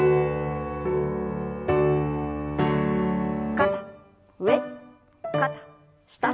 肩上肩下。